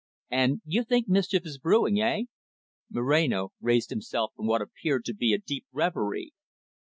"And you think mischief is brewing, eh?" Moreno raised himself from what appeared to be a deep reverie.